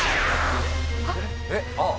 えっ？